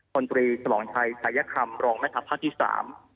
คนปรีสลองชัยสายยคำรองแม่ธาปัฏษาที่๓